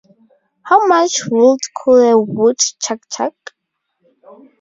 how much wood could a wood chuck chuck.